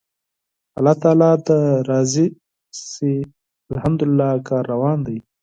الله تعالی دې راضي شي، الحمدلله کار روان دی.